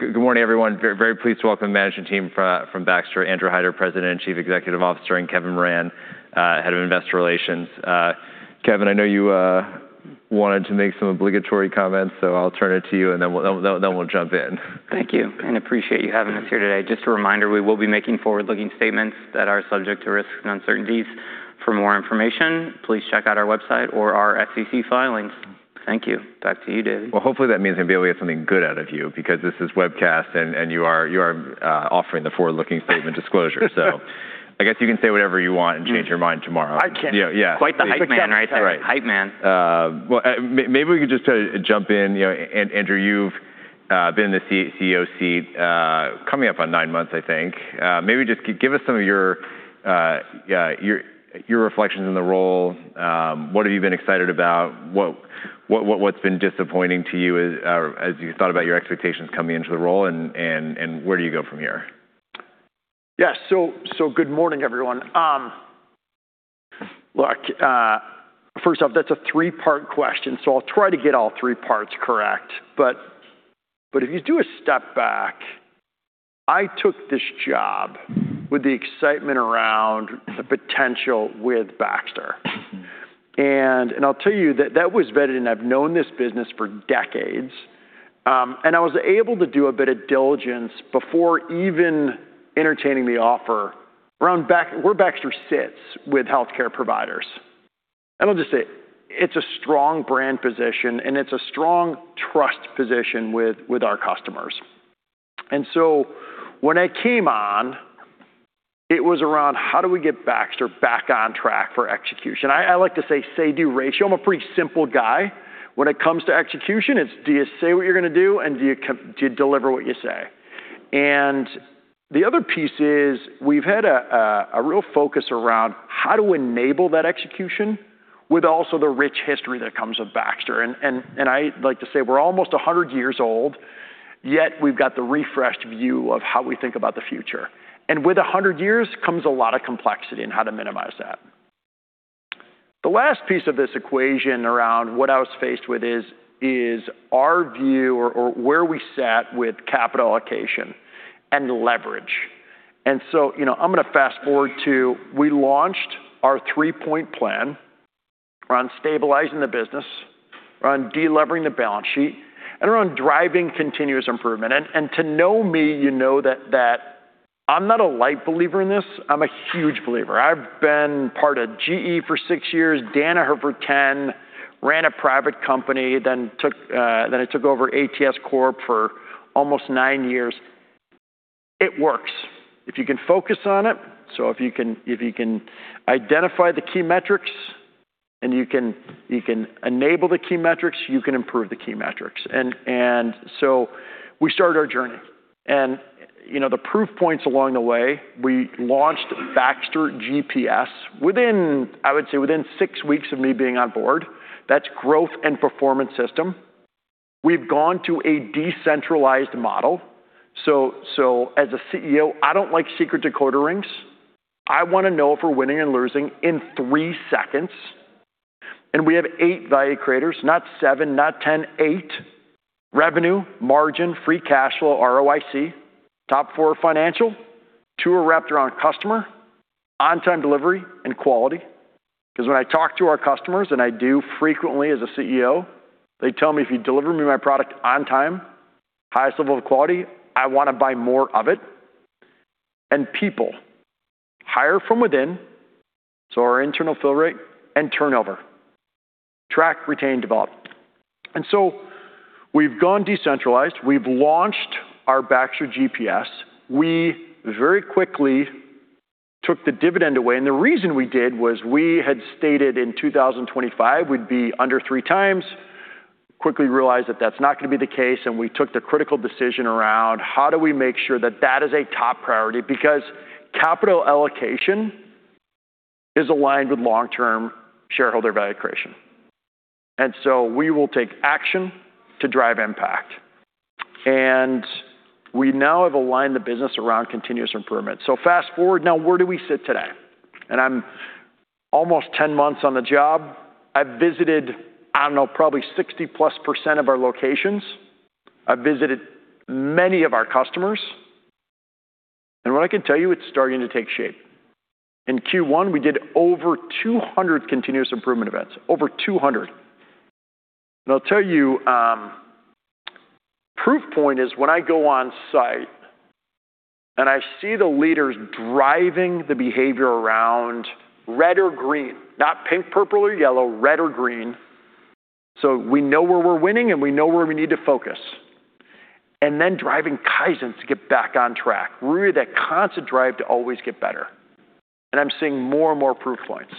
Good morning, everyone. Very pleased to welcome the management team from Baxter, Andrew Hider, President and Chief Executive Officer, and Kevin Moran, Head of Investor Relations. Kevin, I know you wanted to make some obligatory comments, so I'll turn it to you, and then we'll jump in. Thank you. Appreciate you having us here today. Just a reminder, we will be making forward-looking statements that are subject to risks and uncertainties. For more information, please check out our website or our SEC filings. Thank you. Back to you, David. Well, hopefully that means maybe we get something good out of you because this is webcast, and you are offering the forward-looking statement disclosure. I guess you can say whatever you want and change your mind tomorrow. I can. Yeah. Quite the hype man right there. Right. Hype man. Well, maybe we could just jump in. Andrew, you've been in the CEO seat coming up on nine months, I think. Maybe just give us some of your reflections on the role. What have you been excited about? What's been disappointing to you as you thought about your expectations coming into the role, and where do you go from here? Yes. Good morning, everyone. Look, first off, that's a three-part question. I'll try to get all three parts correct. If you do a step back, I took this job with the excitement around the potential with Baxter. I'll tell you that that was vetted, and I've known this business for decades. I was able to do a bit of diligence before even entertaining the offer around where Baxter sits with healthcare providers. I'll just say it's a strong brand position, and it's a strong trust position with our customers. When I came on, it was around how do we get Baxter back on track for execution. I like to say say-do ratio. I'm a pretty simple guy. When it comes to execution, it's do you say what you're going to do, and do you deliver what you say? The other piece is we've had a real focus around how to enable that execution with also the rich history that comes with Baxter. I like to say we're almost 100 years old, yet we've got the refreshed view of how we think about the future. With 100 years comes a lot of complexity in how to minimize that. The last piece of this equation around what I was faced with is our view or where we sat with capital allocation and leverage. I'm going to fast-forward to we launched our three-point plan around stabilizing the business, around de-levering the balance sheet, and around driving continuous improvement. To know me, you know that I'm not a light believer in this. I'm a huge believer. I've been part of GE for six years, Danaher for 10, ran a private company, then I took over ATS Corp for almost nine years. It works if you can focus on it. If you can identify the key metrics, and you can enable the key metrics, you can improve the key metrics. We started our journey. The proof points along the way, we launched Baxter GPS, I would say, within six weeks of me being on board. That's Growth and Performance System. We've gone to a decentralized model. As a CEO, I don't like secret decoder rings. I want to know if we're winning and losing in three seconds. We have eight value creators, not seven, not 10, eight. Revenue, margin, free cash flow, ROIC. Top four are financial. Two are wrapped around customer, on-time delivery, and quality. When I talk to our customers, and I do frequently as a CEO, they tell me, "If you deliver me my product on time, highest level of quality, I want to buy more of it." People. Hire from within, so our internal fill rate, and turnover. Track, retain, develop. We've gone decentralized. We've launched our Baxter GPS. We very quickly took the dividend away, and the reason we did was we had stated in 2025 we'd be under three times. Quickly realized that that's not going to be the case, and we took the critical decision around how do we make sure that that is a top priority, because capital allocation is aligned with long-term shareholder value creation. We will take action to drive impact. We now have aligned the business around continuous improvement. Fast-forward, now where do we sit today? I'm almost 10 months on the job. I've visited, I don't know, probably 60%+ of our locations. I've visited many of our customers. What I can tell you, it's starting to take shape. In Q1, we did over 200 continuous improvement events. Over 200. I'll tell you, proof point is when I go on-site, and I see the leaders driving the behavior around red or green. Not pink, purple, or yellow. Red or green. So we know where we're winning, and we know where we need to focus. Then driving kaizens to get back on track. Really, that constant drive to always get better. I'm seeing more and more proof points.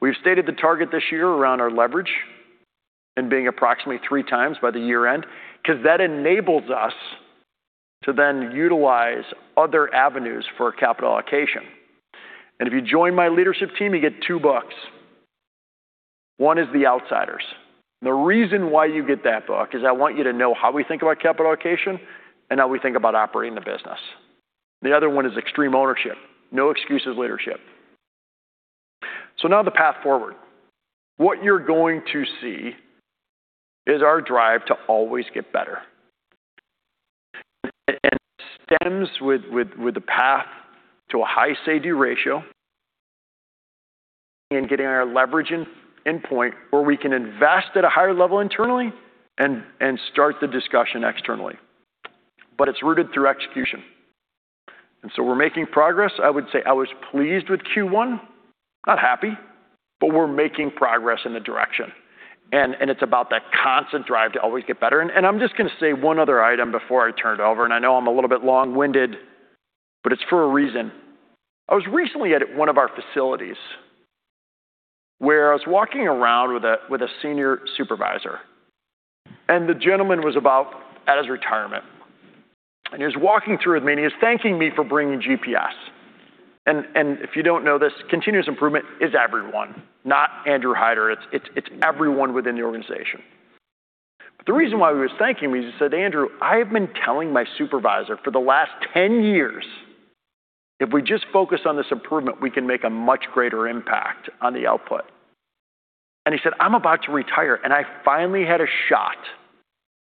We've stated the target this year around our leverage and being approximately three times by the year-end, because that enables us to then utilize other avenues for capital allocation. If you join my leadership team, you get two books. One is "The Outsiders." The reason why you get that book is I want you to know how we think about capital allocation and how we think about operating the business. The other one is "Extreme Ownership." No excuses leadership. Now the path forward. What you're going to see is our drive to always get better. It stems with the path to a high say-do ratio and getting our leverage in point where we can invest at a higher level internally and start the discussion externally. It's rooted through execution. We're making progress. I would say I was pleased with Q1, not happy, but we're making progress in the direction. It's about that constant drive to always get better. I'm just going to say one other item before I turn it over, and I know I'm a little bit long-winded, but it's for a reason. I was recently at one of our facilities where I was walking around with a senior supervisor, and the gentleman was about at his retirement. He was walking through with me, and he was thanking me for bringing GPS. If you don't know this, continuous improvement is everyone, not Andrew Hider. It's everyone within the organization. The reason why he was thanking me, he said, "Andrew, I have been telling my supervisor for the last 10 years, 'If we just focus on this improvement, we can make a much greater impact on the output.'" He said, "I'm about to retire, and I finally had a shot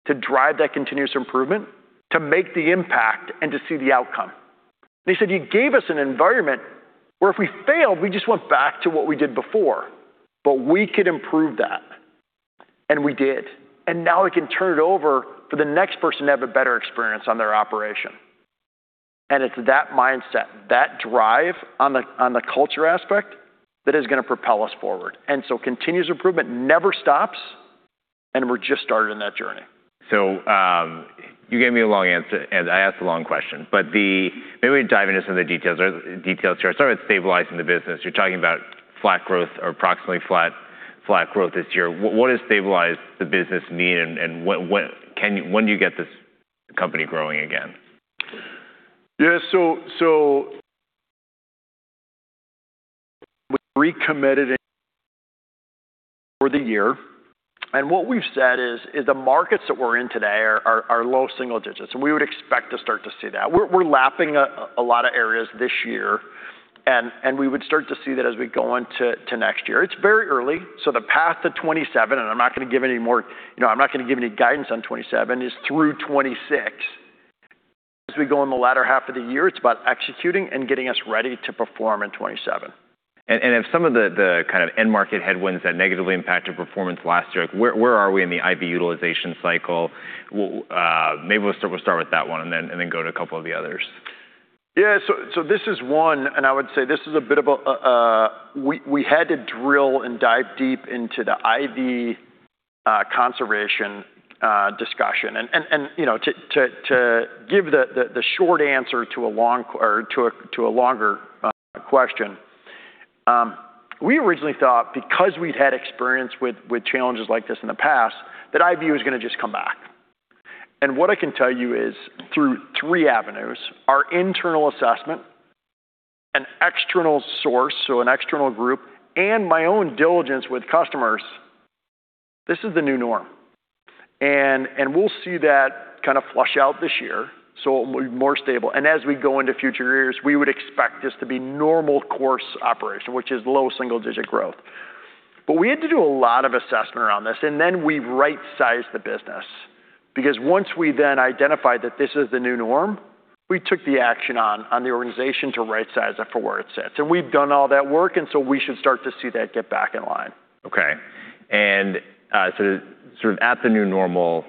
to drive that continuous improvement to make the impact and to see the outcome." He said, "You gave us an environment where if we failed, we just went back to what we did before, but we could improve that. We did. Now we can turn it over for the next person to have a better experience on their operation." It's that mindset, that drive on the culture aspect, that is going to propel us forward. Continuous improvement never stops, and we're just starting on that journey. You gave me a long answer, and I asked a long question. Maybe we dive into some of the details here. I started with stabilizing the business. You're talking about flat growth or approximately flat growth this year. What does stabilize the business mean, and when do you get this company growing again? Yeah, we're recommitted for the year. What we've said is the markets that we're in today are low single digits. We would expect to start to see that. We're lapping a lot of areas this year. We would start to see that as we go into next year. It's very early. The path to 2027, I'm not going to give any guidance on 2027, is through 2026. As we go in the latter half of the year, it's about executing and getting us ready to perform in 2027. If some of the kind of end market headwinds that negatively impacted performance last year, where are we in the IV utilization cycle? Maybe we'll start with that one and then go to a couple of the others. Yeah. This is one. I would say this is a bit of. We had to drill and dive deep into the IV conservation discussion. To give the short answer to a longer question, we originally thought because we'd had experience with challenges like this in the past, that IV was going to just come back. What I can tell you is through three avenues, our internal assessment, an external source, so an external group, my own diligence with customers, this is the new norm. We'll see that kind of flush out this year, so it'll be more stable. As we go into future years, we would expect this to be normal course operation, which is low single-digit growth. We had to do a lot of assessment around this. We right-sized the business. Because once we then identified that this is the new norm, we took the action on the organization to right-size it for where it sits. We've done all that work. We should start to see that get back in line. Okay. Sort of at the new normal,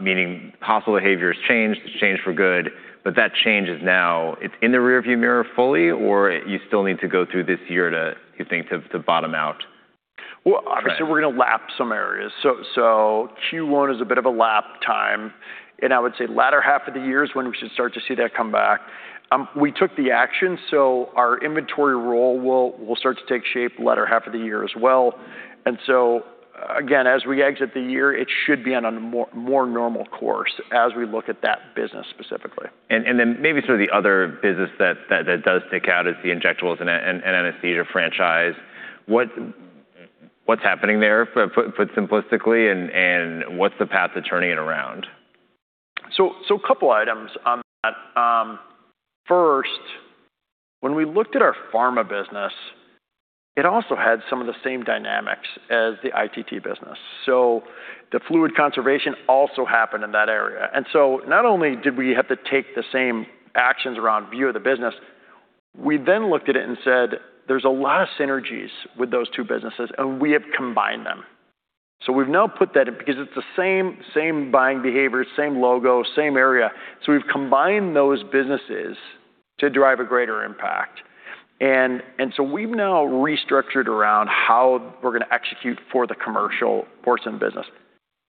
meaning hospital behavior's changed. It's changed for good. That change is now, it's in the rear view mirror fully? Or you still need to go through this year, do you think, to bottom out? Well, obviously we're going to lap some areas. Q1 is a bit of a lap time, and I would say latter half of the year is when we should start to see that come back. We took the action, our inventory role will start to take shape latter half of the year as well. Again, as we exit the year, it should be on a more normal course as we look at that business specifically. Maybe sort of the other business that does stick out is the injectables and NSC franchise. What's happening there, put simplistically, and what's the path to turning it around? A couple items on that. First, when we looked at our pharma business, it also had some of the same dynamics as the ITT business. The fluid conservation also happened in that area. Not only did we have to take the same actions around view of the business, we then looked at it and said, "There's a lot of synergies with those two businesses," and we have combined them. We've now put that in, because it's the same buying behavior, same logo, same area. We've combined those businesses to drive a greater impact. We've now restructured around how we're going to execute for the commercial portion business.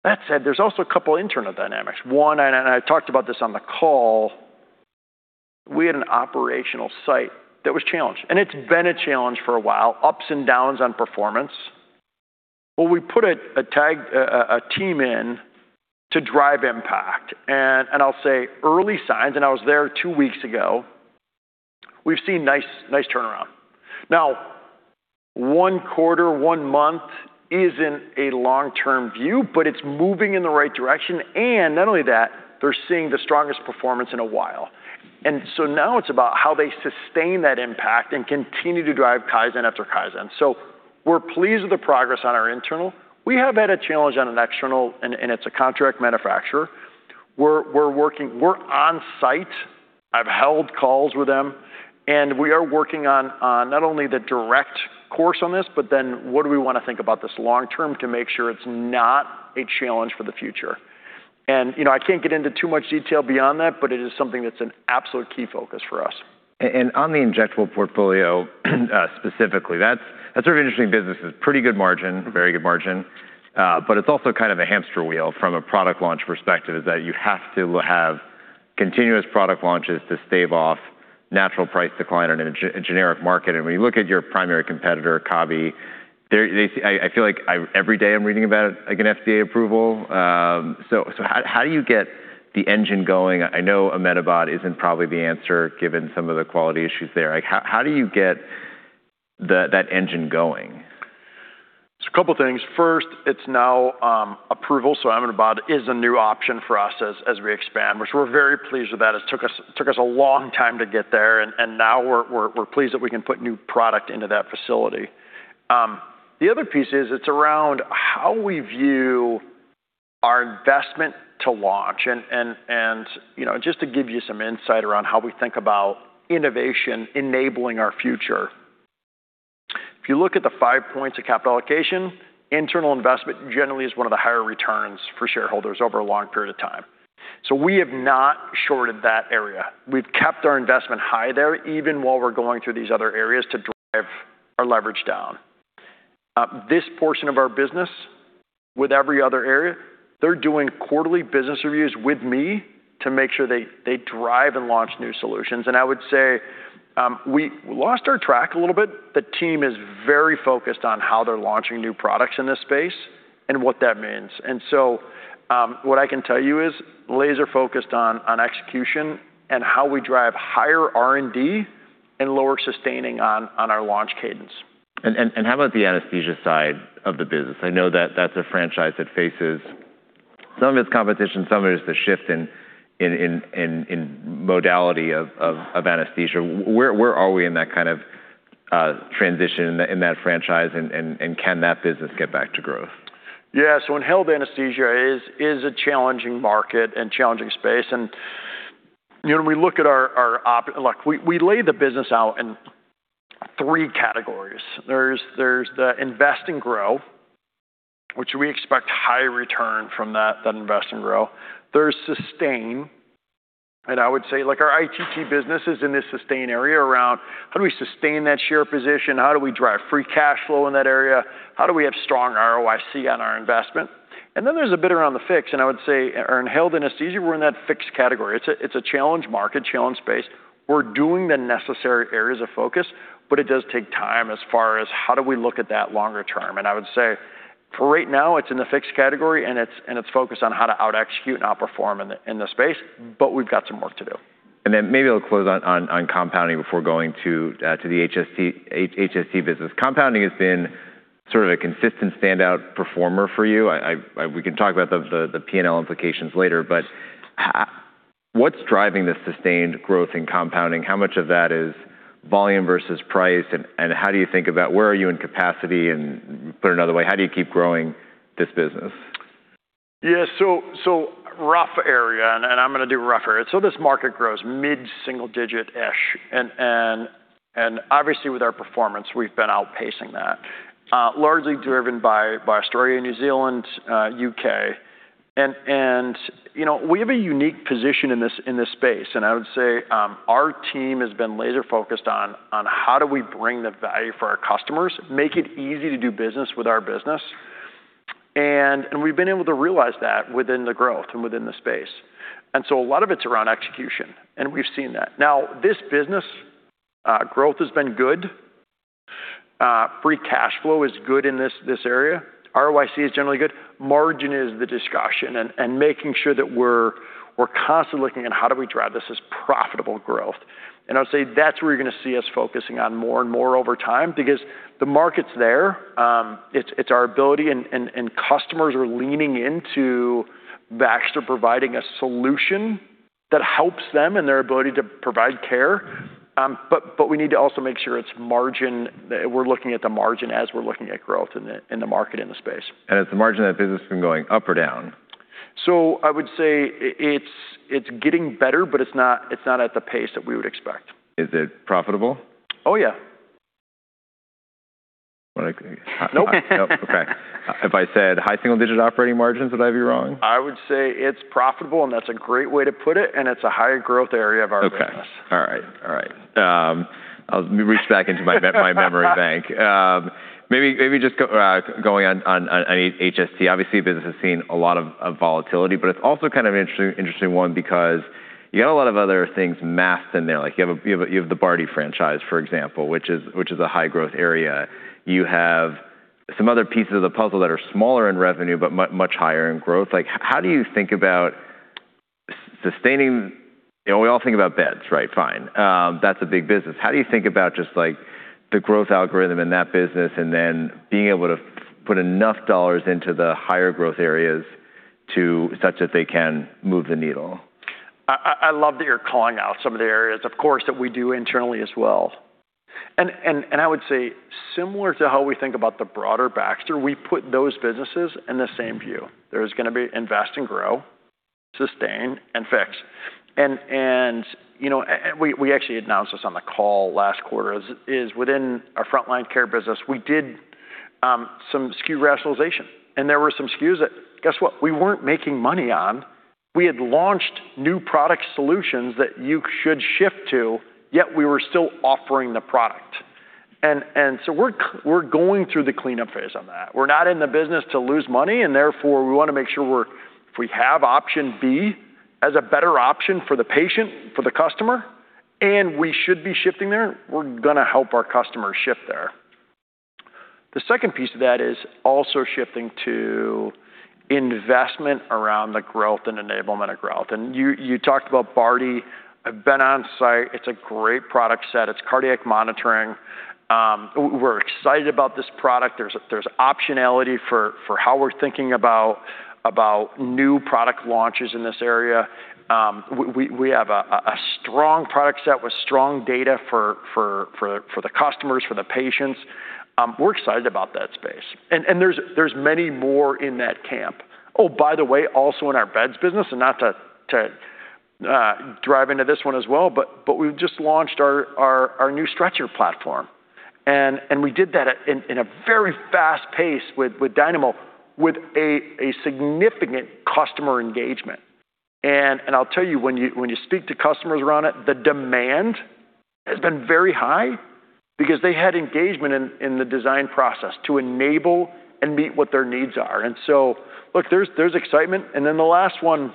That said, there's also a couple internal dynamics. One, and I talked about this on the call. We had an operational site that was challenged. It's been a challenge for a while, ups and downs on performance. We put a team in to drive impact. I'll say early signs, and I was there two weeks ago, we've seen nice turnaround. One quarter, one month isn't a long-term view, but it's moving in the right direction. Not only that, they're seeing the strongest performance in a while. Now it's about how they sustain that impact and continue to drive kaizen after kaizen. We're pleased with the progress on our internal. We have had a challenge on an external. It's a contract manufacturer. We're on site. I've held calls with them. We are working on not only the direct course on this, but then what do we want to think about this long term to make sure it's not a challenge for the future. I can't get into too much detail beyond that, but it is something that's an absolute key focus for us. On the injectable portfolio specifically, that's sort of interesting business. It's pretty good margin. Very good margin. It's also kind of a hamster wheel from a product launch perspective, is that you have to have continuous product launches to stave off natural price decline in a generic market. When you look at your primary competitor, Teva, I feel like every day I'm reading about an FDA approval. How do you get the engine going? I know omedibod isn't probably the answer, given some of the quality issues there. How do you get that engine going? A couple things. First, it's now approval. [omedibod] is a new option for us as we expand, which we're very pleased with that. It took us a long time to get there. Now we're pleased that we can put new product into that facility. The other piece is it's around how we view our investment to launch. Just to give you some insight around how we think about innovation enabling our future, if you look at the 5 points of capital allocation, internal investment generally is one of the higher returns for shareholders over a long period of time. We have not shorted that area. We've kept our investment high there, even while we're going through these other areas to drive our leverage down. This portion of our business, with every other area, they're doing quarterly business reviews with me to make sure they drive and launch new solutions. I would say we lost our track a little bit. The team is very focused on how they're launching new products in this space and what that means. What I can tell you is laser-focused on execution and how we drive higher R&D and lower sustaining on our launch cadence. How about the anesthesia side of the business? I know that that's a franchise that faces some of its competition, some of it is the shift in modality of anesthesia. Where are we in that kind of transition in that franchise, and can that business get back to growth? Yeah. Inhaled anesthesia is a challenging market and challenging space. We lay the business out in three categories. There's the invest and grow, which we expect high return from that invest and grow. There's sustain. I would say our ITT business is in this sustain area around how do we sustain that share position? How do we drive free cash flow in that area? How do we have strong ROIC on our investment? There's a bit around the fix. I would say our inhaled anesthesia, we're in that fixed category. It's a challenge market, challenge space. We're doing the necessary areas of focus. It does take time as far as how do we look at that longer term. I would say, for right now, it's in the fixed category. It's focused on how to out-execute and out-perform in the space. We've got some work to do. Maybe I'll close on compounding before going to the HST business. Compounding has been sort of a consistent standout performer for you. We can talk about the P&L implications later. What's driving the sustained growth in compounding? How much of that is volume versus price? How do you think about where are you in capacity, put another way, how do you keep growing this business? Rough area, and I'm going to do rough area. This market grows mid single digit-ish, obviously with our performance, we've been outpacing that. Largely driven by Australia, New Zealand, U.K. We have a unique position in this space. I would say our team has been laser-focused on how do we bring the value for our customers, make it easy to do business with our business. We've been able to realize that within the growth and within the space. A lot of it's around execution, we've seen that. Now, this business, growth has been good. Free cash flow is good in this area. ROIC is generally good. Margin is the discussion and making sure that we're constantly looking at how do we drive this as profitable growth. I would say that's where you're going to see us focusing on more and more over time because the market's there. It's our ability. Customers are leaning into Baxter providing a solution that helps them and their ability to provide care. We need to also make sure we're looking at the margin as we're looking at growth in the market, in the space. Has the margin of that business been going up or down? I would say it's getting better, but it's not at the pace that we would expect. Is it profitable? Oh, yeah. What I- Nope. Nope. Okay. If I said high single-digit operating margins, would I be wrong? I would say it's profitable, and that's a great way to put it, and it's a high growth area of our business. Okay. All right. I'll reach back into my memory bank. Maybe just going on HST, obviously, business has seen a lot of volatility, but it's also kind of an interesting one because you got a lot of other things masked in there. You have the Bardy franchise, for example, which is a high growth area. You have some other pieces of the puzzle that are smaller in revenue, but much higher in growth. We all think about beds, right? Fine. That's a big business. How do you think about just the growth algorithm in that business and then being able to put enough dollars into the higher growth areas such that they can move the needle. I love that you're calling out some of the areas, of course, that we do internally as well. I would say similar to how we think about the broader Baxter, we put those businesses in the same view. There is going to be invest and grow, sustain, and fix. We actually announced this on the call last quarter, is within our frontline care business, we did some SKU rationalization. There were some SKUs that, guess what? We weren't making money on. We had launched new product solutions that you should shift to, yet we were still offering the product. We're going through the cleanup phase on that. We're not in the business to lose money, therefore, we want to make sure if we have option B as a better option for the patient, for the customer, we should be shifting there, we're going to help our customers shift there. The second piece of that is also shifting to investment around the growth and enablement of growth. You talked about Bardy. I've been on-site. It's a great product set. It's cardiac monitoring. We're excited about this product. There's optionality for how we're thinking about new product launches in this area. We have a strong product set with strong data for the customers, for the patients. We're excited about that space, there's many more in that camp. Oh, by the way, also in our beds business, not to dive into this one as well, we've just launched our new stretcher platform. We did that in a very fast pace with Dynamo, with a significant customer engagement. I'll tell you, when you speak to customers around it, the demand has been very high because they had engagement in the design process to enable and meet what their needs are. Look, there's excitement. The last one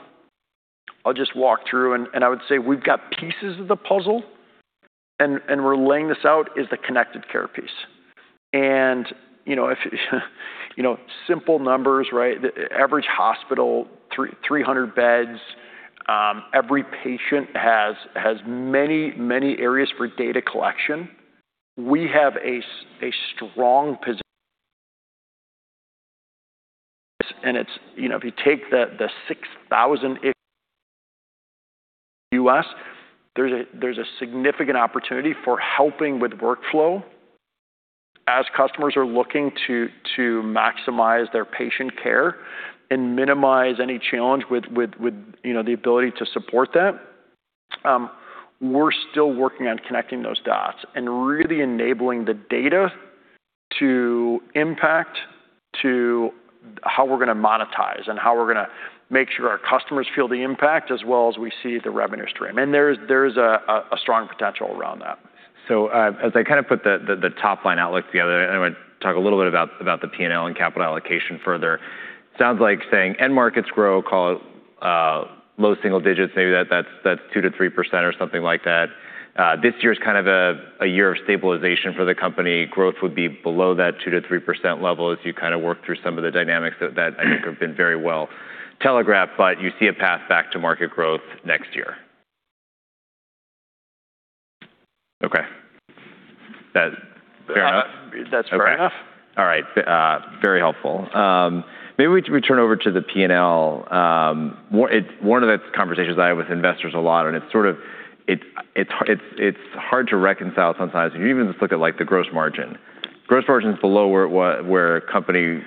I'll just walk through, I would say we've got pieces of the puzzle, we're laying this out, is the connected care piece. Simple numbers, right? The average hospital, 300 beds. Every patient has many areas for data collection. We have a strong position, if you take the 6,000-ish in the U.S., there's a significant opportunity for helping with workflow as customers are looking to maximize their patient care and minimize any challenge with the ability to support that. We're still working on connecting those dots and really enabling the data to impact to how we're going to monetize and how we're going to make sure our customers feel the impact as well as we see the revenue stream. There's a strong potential around that. As I kind of put the top-line outlook together, and I'm going to talk a little bit about the P&L and capital allocation further. Sounds like saying end markets grow, call it low single digits, maybe that's 2%-3% or something like that. This year's kind of a year of stabilization for the company. Growth would be below that 2%-3% level as you kind of work through some of the dynamics that I think have been very well telegraphed, but you see a path back to market growth next year. Okay. That fair enough? That's fair enough. All right. Very helpful. Maybe we turn over to the P&L. One of the conversations that I have with investors a lot, and it's hard to reconcile sometimes, if you even just look at the gross margin. Gross margin's below where company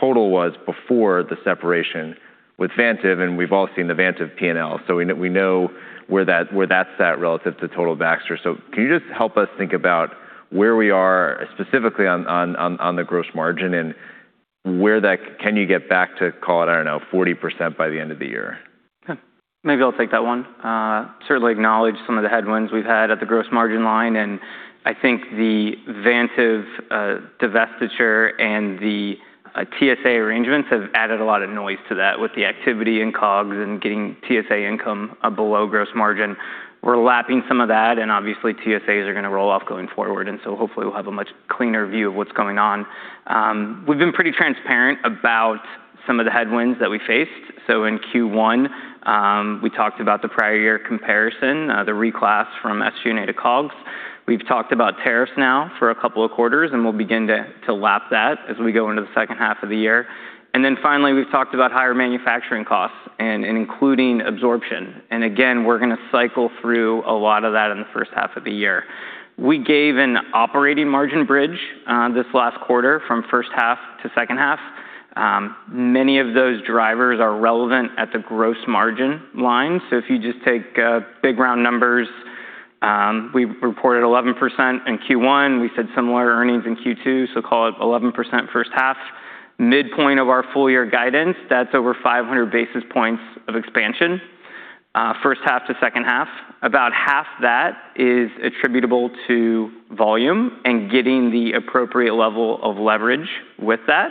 total was before the separation with Vantive, and we've all seen the Vantive P&L, so we know where that sat relative to total Baxter. Can you just help us think about where we are specifically on the gross margin and can you get back to, call it, I don't know, 40% by the end of the year? Sure. Maybe I'll take that one. Certainly acknowledge some of the headwinds we've had at the gross margin line, and I think the Vantive divestiture and the TSA arrangements have added a lot of noise to that with the activity in COGS and getting TSA income below gross margin. We're lapping some of that, and obviously TSAs are going to roll off going forward, and so hopefully we'll have a much cleaner view of what's going on. We've been pretty transparent about some of the headwinds that we faced. In Q1, we talked about the prior year comparison, the reclass from SG&A to COGS. We've talked about tariffs now for a couple of quarters, and we'll begin to lap that as we go into the second half of the year. Finally, we've talked about higher manufacturing costs and including absorption. We're going to cycle through a lot of that in the first half of the year. We gave an operating margin bridge this last quarter from first half to second half. Many of those drivers are relevant at the gross margin line. If you just take big, round numbers, we reported 11% in Q1. We said similar earnings in Q2, so call it 11% first half. Midpoint of our full year guidance, that's over 500 basis points of expansion. First half to second half, about half that is attributable to volume and getting the appropriate level of leverage with that.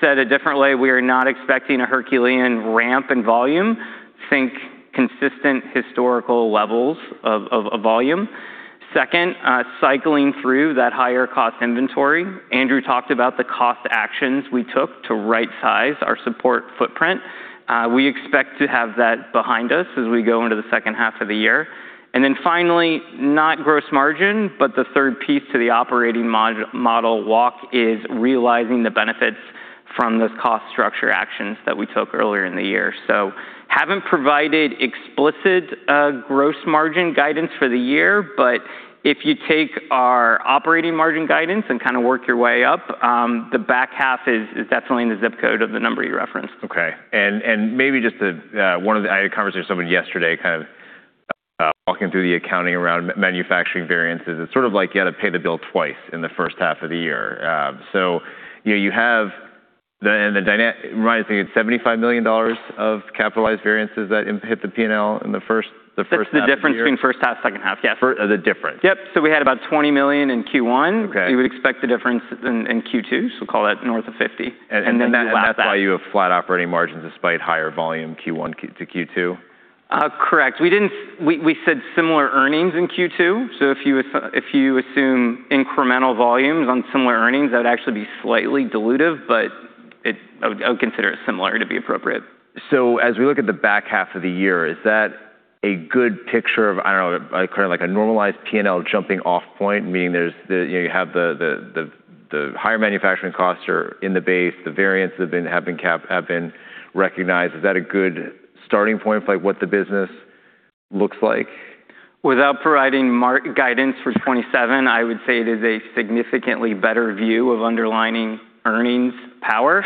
Said a different way, we are not expecting a Herculean ramp in volume. Think consistent historical levels of volume. Second, cycling through that higher cost inventory. Andrew talked about the cost actions we took to rightsize our support footprint. We expect to have that behind us as we go into the second half of the year. Finally, not gross margin, but the third piece to the operating model walk is realizing the benefits from those cost structure actions that we took earlier in the year. Haven't provided explicit gross margin guidance for the year, but if you take our operating margin guidance and kind of work your way up, the back half is definitely in the ZIP code of the number you referenced. Okay. I had a conversation with someone yesterday kind of walking through the accounting around manufacturing variances. It's sort of like you had to pay the bill twice in the first half of the year. You have the dynamic, I think it's $75 million of capitalized variances that hit the P&L in the first half of the year. That's the difference between first half, second half, yes. The difference. Yep. We had about $20 million in Q1. Okay. You would expect the difference in Q2, so call that north of $50 million, and then the last half. That's why you have flat operating margins despite higher volume, Q1 to Q2? Correct. We said similar earnings in Q2, if you assume incremental volumes on similar earnings, that would actually be slightly dilutive, but I would consider it similar to be appropriate. As we look at the back half of the year, is that a good picture of, I don't know, kind of like a normalized P&L jumping off point, meaning you have the higher manufacturing costs are in the base, the variants have been recognized. Is that a good starting point for what the business looks like? Without providing guidance for 2027, I would say it is a significantly better view of underlying earnings power,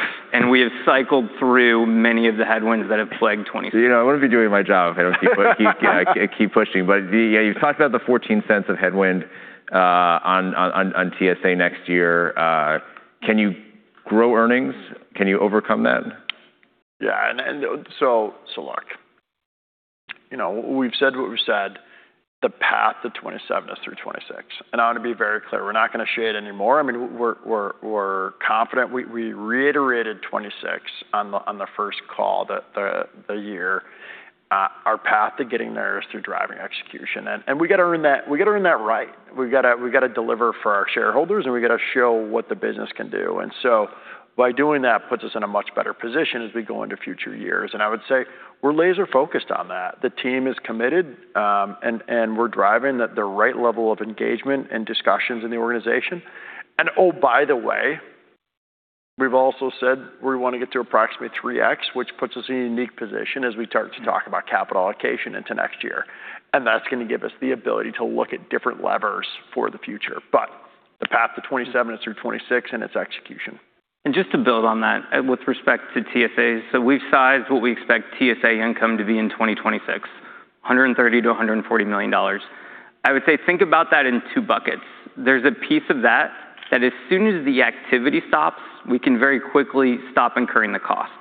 we have cycled through many of the headwinds that have plagued 2026. I wouldn't be doing my job if I don't keep pushing. Yeah, you've talked about the $0.14 of headwind on TSA next year. Can you grow earnings? Can you overcome that? Yeah. Look, we've said what we've said, the path to 2027 is through 2026. I want to be very clear, we're not going to share it anymore. I mean, we're confident. We reiterated 2026 on the first call, the year. Our path to getting there is through driving execution. We got to earn that right. We've got to deliver for our shareholders, and we got to show what the business can do. By doing that, puts us in a much better position as we go into future years. I would say we're laser-focused on that. The team is committed, and we're driving the right level of engagement and discussions in the organization. Oh, by the way, we've also said we want to get to approximately 3x, which puts us in a unique position as we start to talk about capital allocation into next year. That's going to give us the ability to look at different levers for the future. The path to 2027 is through 2026, and it's execution. Just to build on that, with respect to TSAs, we've sized what we expect TSA income to be in 2026, $130 million-$140 million. I would say think about that in two buckets. There's a piece of that as soon as the activity stops, we can very quickly stop incurring the cost.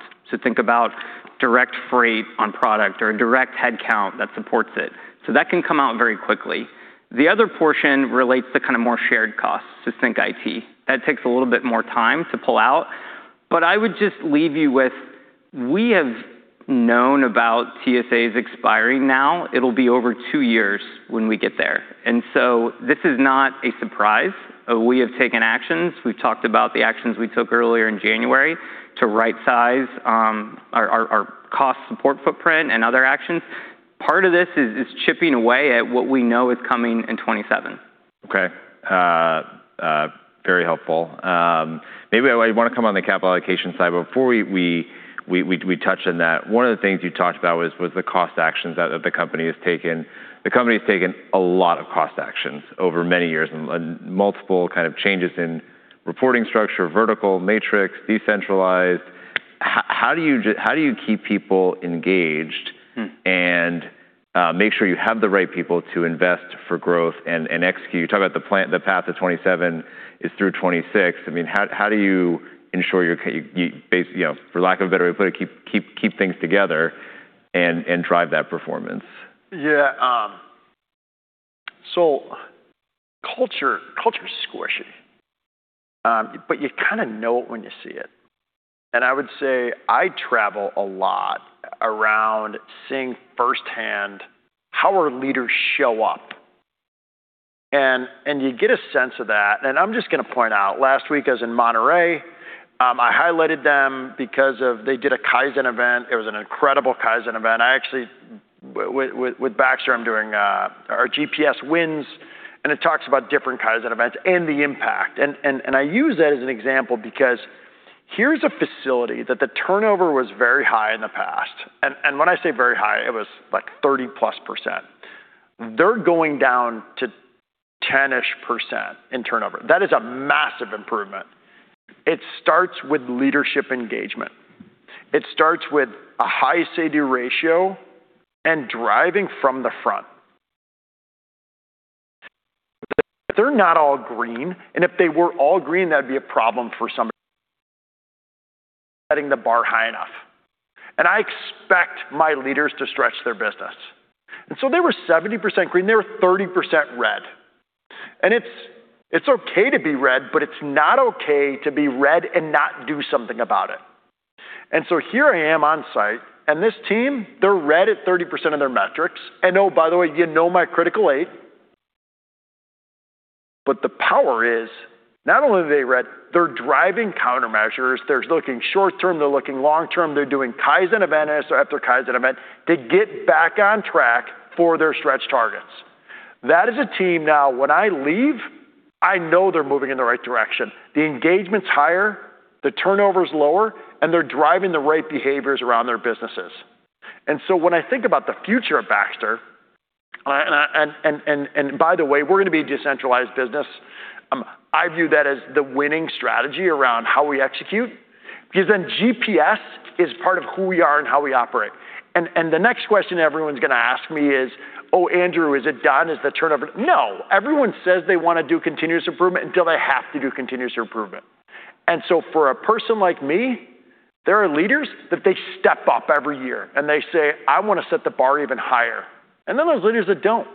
Think about direct freight on product or direct headcount that supports it. That can come out very quickly. The other portion relates to kind of more shared costs. Think IT. That takes a little bit more time to pull out. I would just leave you with, we have known about TSAs expiring now. It'll be over two years when we get there. This is not a surprise. We have taken actions. We've talked about the actions we took earlier in January to rightsize our cost support footprint and other actions. Part of this is chipping away at what we know is coming in 2027. Okay. Very helpful. Maybe I want to come on the capital allocation side before we touch on that. One of the things you talked about was the cost actions that the company has taken. The company has taken a lot of cost actions over many years, and multiple changes in reporting structure, vertical, matrix, decentralized. How do you keep people engaged and make sure you have the right people to invest for growth and execute? You talk about the path to 2027 is through 2026. I mean, how do you ensure you, for lack of a better way to put it, keep things together and drive that performance? Yeah. Culture is squishy, but you know it when you see it. I would say I travel a lot around seeing firsthand how our leaders show up. You get a sense of that, and I'm just going to point out, last week I was in Monterrey. I highlighted them because they did a Kaizen event. It was an incredible Kaizen event. I actually, with Baxter, I'm doing our GPS wins, and it talks about different Kaizen events and the impact. I use that as an example because here's a facility that the turnover was very high in the past. When I say very high, it was like 30%+. They're going down to 10-ish% in turnover. That is a massive improvement. It starts with leadership engagement. It starts with a high say-do ratio and driving from the front. If they're not all green, and if they were all green, that'd be a problem for somebody setting the bar high enough. I expect my leaders to stretch their business. They were 70% green, they were 30% red. It's okay to be red, it's not okay to be red and not do something about it. Here I am on-site, and this team, they're red at 30% of their metrics. Oh, by the way, you know my critical eight. The power is not only are they red, they're driving countermeasures. They're looking short term, they're looking long term, they're doing Kaizen events or after Kaizen event to get back on track for their stretch targets. That is a team now, when I leave, I know they're moving in the right direction. The engagement's higher, the turnover is lower, and they're driving the right behaviors around their businesses. When I think about the future of Baxter, and by the way, we're going to be a decentralized business. I view that as the winning strategy around how we execute, because GPS is part of who we are and how we operate. The next question everyone's going to ask me is, "Oh, Andrew, is it done? Is the turnover" No. Everyone says they want to do continuous improvement until they have to do continuous improvement. For a person like me, there are leaders that they step up every year and they say, "I want to set the bar even higher." There's leaders that don't.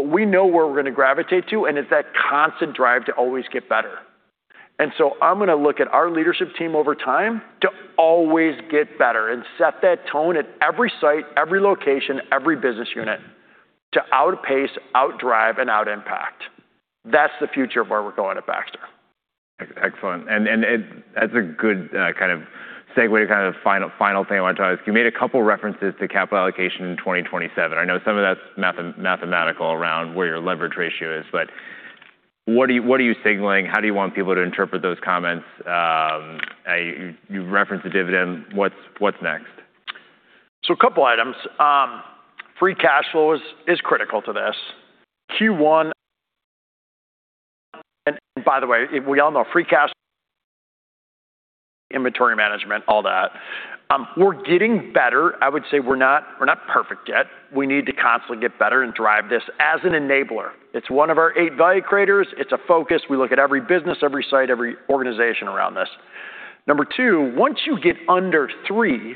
We know where we're going to gravitate to, and it's that constant drive to always get better. I'm going to look at our leadership team over time to always get better and set that tone at every site, every location, every business unit, to outpace, out drive, and out impact. That's the future of where we're going at Baxter. Excellent. That's a good segue. Final thing I want to talk is, you made a couple references to capital allocation in 2027. I know some of that's mathematical around where your leverage ratio is, but what are you signaling? How do you want people to interpret those comments? You referenced the dividend. What's next? A couple items. Free cash flow is critical to this. Q1. By the way, we all know free cash, inventory management, all that. We're getting better. I would say we're not perfect yet. We need to constantly get better and drive this as an enabler. It's one of our eight value creators. It's a focus. We look at every business, every site, every organization around this. Number two, once you get under three,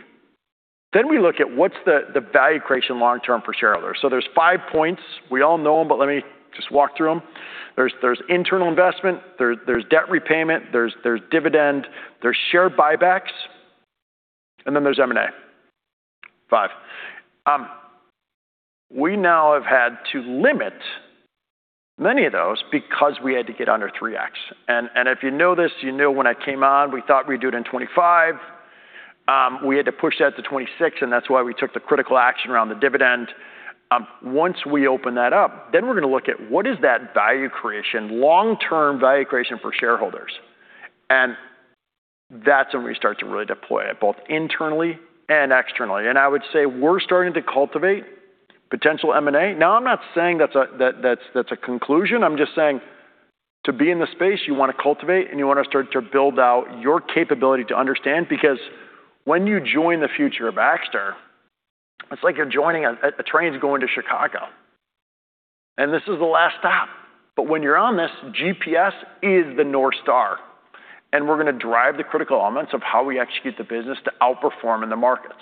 we look at what's the value creation long-term for shareholders. There's 5 points. We all know them, but let me just walk through them. There's internal investment, there's debt repayment, there's dividend, there's share buybacks, and then there's M&A. [Five] We now have had to limit many of those because we had to get under 3X. If you know this, you knew when I came on, we thought we'd do it in 2025. We had to push that to 2026, and that's why we took the critical action around the dividend. Once we open that up, then we're going to look at what is that value creation, long-term value creation for shareholders. That's when we start to really deploy it, both internally and externally. I would say we're starting to cultivate potential M&A. I'm not saying that's a conclusion. I'm just saying to be in the space, you want to cultivate, and you want to start to build out your capability to understand. When you join the future of Baxter, it's like you're joining a train that's going to Chicago, and this is the last stop. When you're on this, GPS is the North Star, we're going to drive the critical elements of how we execute the business to outperform in the markets.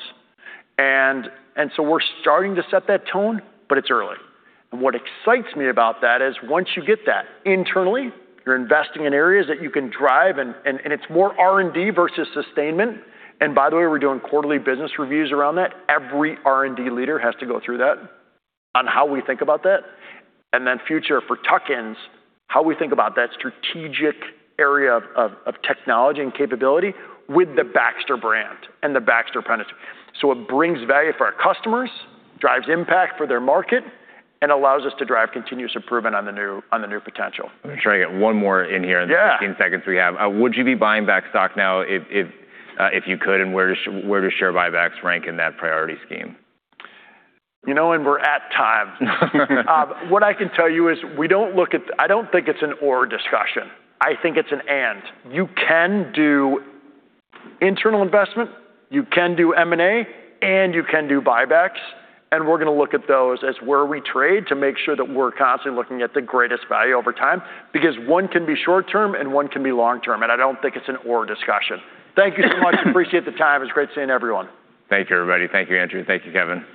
We're starting to set that tone, but it's early. What excites me about that is once you get that internally, you're investing in areas that you can drive, and it's more R&D versus sustainment. By the way, we're doing quarterly business reviews around that. Every R&D leader has to go through that on how we think about that. Future for tuck-ins, how we think about that strategic area of technology and capability with the Baxter brand and the Baxter penetration. It brings value for our customers, drives impact for their market, and allows us to drive continuous improvement on the new potential. Let me try to get one more in here. Yeah in the 15 seconds we have. Would you be buying back stock now if you could, where do share buybacks rank in that priority scheme? You know what, we're at time. What I can tell you is I don't think it's an or discussion. I think it's an and. You can do internal investment, you can do M&A, and you can do buybacks. We're going to look at those as where we trade to make sure that we're constantly looking at the greatest value over time. One can be short-term and one can be long-term, and I don't think it's an or discussion. Thank you so much. Appreciate the time. It's great seeing everyone. Thank you, everybody. Thank you, Andrew. Thank you, Kevin.